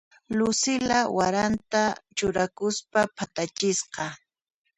Lucila waranta churakuspa phatachisqa.